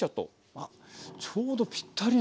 あっちょうどぴったりの。